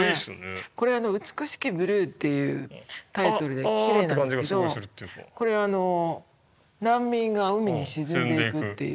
これ「美しきブルー」っていうタイトルできれいなんですけどこれは難民が海に沈んでいくっていう。